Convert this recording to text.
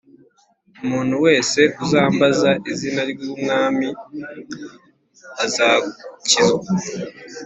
umuntu wese uzambaza izina ry’Umwami azakizwa